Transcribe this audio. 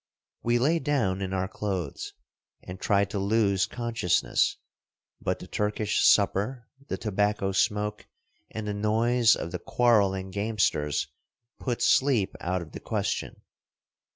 We lay down in our clothes, and tried to lose consciousness; but the Turkish supper, the tobacco smoke, and the noise of the quarreling gamesters, put sleep out of the question.